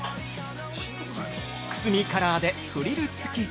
くすみカラーでフリル付き。